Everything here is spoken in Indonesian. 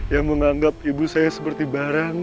yang menganggap ibu saya seperti barang